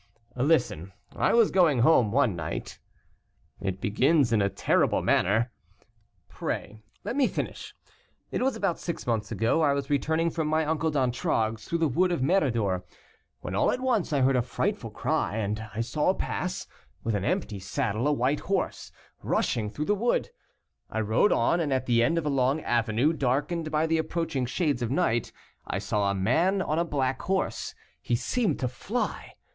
"Listen. I was going home one night " "It begins in a terrible manner." "Pray let me finish. It was about six months ago, I was returning from my uncle D'Entragues, through the wood of Méridor, when all at once I heard a frightful cry, and I saw pass, with an empty saddle, a white horse, rushing through the wood. I rode on, and at the end of a long avenue, darkened by the approaching shades of night, I saw a man on a black horse; he seemed to fly.